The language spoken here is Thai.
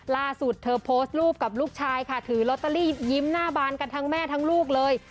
ล่าสุดเธอโพสต์รูปกับลูกชายค่ะถือลอตเตอรี่ยิ้มหน้าบานกันทั้งแม่ทั้งลูกเลย